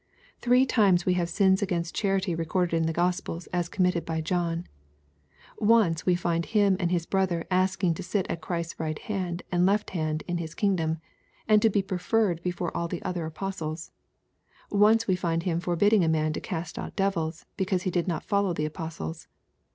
Three times we have sins against charity recorded in the Gospels as committed by John. Once we find him and his brother asking to sit at Christ's right and left hand in His king dom, and to be preferred before all the other apostles. Once we find him forbidding a man to cast out devils, because he did not follow the apostles.